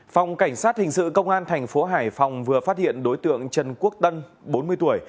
phòng cảnh sát hình sự công an thành phố hải phòng vừa phát hiện đối tượng trần quốc tân bốn mươi tuổi